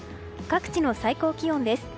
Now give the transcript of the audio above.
各地の最高気温です。